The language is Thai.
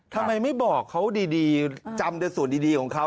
ทำไมไม่บอกเขาดีจำแต่ส่วนดีของเขา